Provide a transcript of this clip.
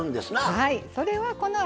はい。